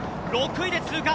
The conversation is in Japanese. ６位で通過。